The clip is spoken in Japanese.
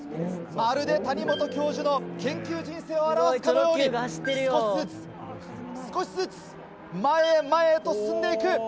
まるで谷本教授の研究人生を表すかのように少しずつ少しずつ前へ前へと進んで行く。